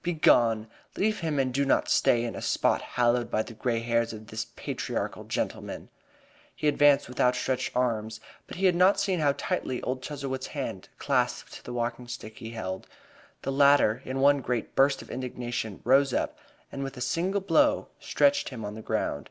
Begone! Leave him and do not stay in a spot hallowed by the gray hairs of this patriarchal gentleman!" He advanced with outstretched arms, but he had not seen how tightly old Chuzzlewit's hand clasped the walking stick he held. The latter, in one great burst of indignation, rose up, and with a single blow, stretched him on the ground.